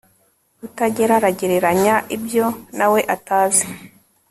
utagera aragereranya ibyo nawe atazi